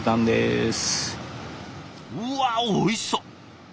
うわおいしそう。